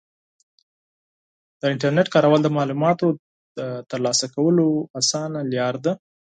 د انټرنیټ کارول د معلوماتو د ترلاسه کولو اسانه لاره ده.